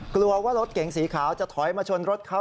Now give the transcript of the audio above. กลัวว่ารถเก๋งสีขาวจะถอยมาชนรถเขา